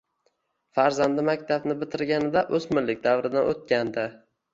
Farzandi maktabni bitirganida oʻsmirlik davridan oʻtgandi